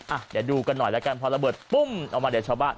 อ่ะเดี๋ยวดูกันหน่อยแล้วกันพอระเบิดปุ้มออกมาเดี๋ยวชาวบ้าน